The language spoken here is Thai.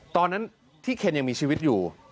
ตอนนั้นที่เคนยังมีชีวิตอยู่